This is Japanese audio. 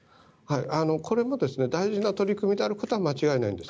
これも大事な取り組みであることは間違いないんです。